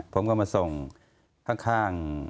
ผมก็มาส่งข้าง